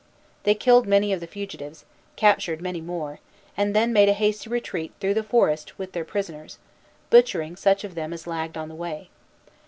They killed many of the fugitives, captured many more, and then made a hasty retreat through the forest with their prisoners, butchering such of them as lagged on the way.